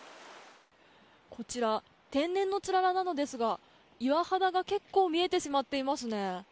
こちら、天然のつららなのですが岩肌が結構見えてしまっていますね。